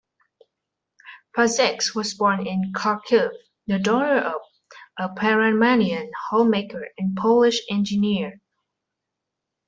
Pasek was born in Kharkiv, the daughter of a Panamanian homemaker and Polish engineer.